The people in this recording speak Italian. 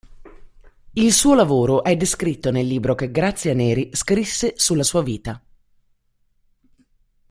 Il suo lavoro è descritto nel libro che Grazia Neri scrisse sulla sua vita.